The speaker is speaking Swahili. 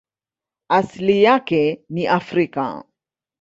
Asili yake ni Afrika.